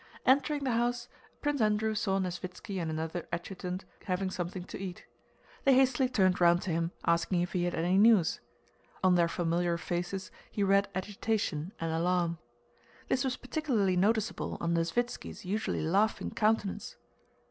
Entering the house, Prince Andrew saw Nesvítski and another adjutant having something to eat. They hastily turned round to him asking if he had any news. On their familiar faces he read agitation and alarm. This was particularly noticeable on Nesvítski's usually laughing countenance.